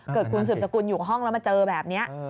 เกิดคุณสืบสกุลอยู่ห้องแล้วมาเจอแบบนี้